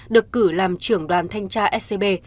được cử làm trưởng đoàn thanh tra scb